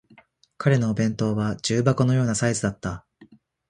彼のお弁当は重箱のようなサイズだった